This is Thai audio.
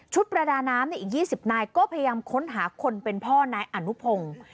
ประดาน้ำอีก๒๐นายก็พยายามค้นหาคนเป็นพ่อนายอนุพงศ์